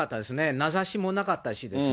名指しもなかったですしね。